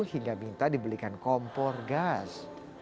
hingga minta dibelikan kompor gas